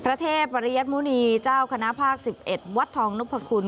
เทพปริยัตมุณีเจ้าคณะภาค๑๑วัดทองนพคุณ